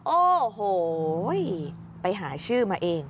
โอ้โหไปหาชื่อมาเอง